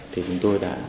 thì chúng tôi đã